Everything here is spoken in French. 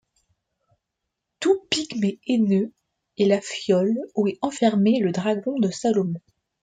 Tout pygmée haineux est la fiole où est enfermé le dragon de Salomon.